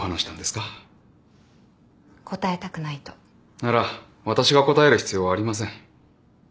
なら私が答える必要はありません。